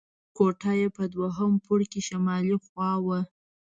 کوټه یې په دویم پوړ کې شمالي خوا وه.